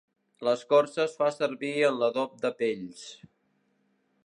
L'escorça es fa servir en l'adob de pells.